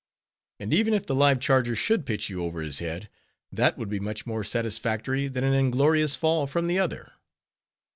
And even if the live charger should pitch you over his head, that would be much more satisfactory, than an inglorious fall from the other.